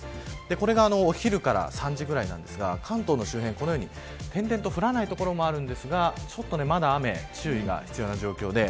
これがお昼から３時ぐらいですが、関東の周辺点々と降らない所もあるんですがまだ雨に注意が必要な状況です。